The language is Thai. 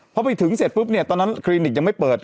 พอไปถึงเสร็จปุ๊บเนี่ยตอนนั้นคลินิกยังไม่เปิด